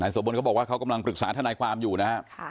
สวบนเขาบอกว่าเขากำลังปรึกษาทนายความอยู่นะครับ